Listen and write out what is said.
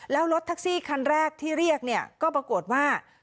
แล้วรถแท็กซี่คันแรกที่เรียกเนี่ยก็ปรากฏว่า